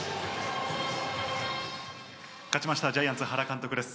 勝ちました、ジャイアンツ・原監督です。